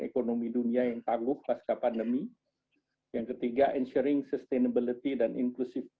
ekonomi dunia yang tangguh pasca pandemi yang ketiga ensuring sustainability dan inclusive